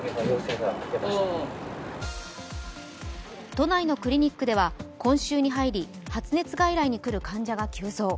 都内のクリニックでは今週に入り発熱外来に来る患者が急増。